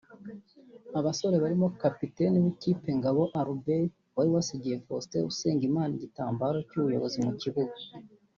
Abasore barimo Kapiteni w’ikipe Ngabo Albert wari wasigiye Faustin Usengimana igitambaro cy’ubuyobozi mu kibuga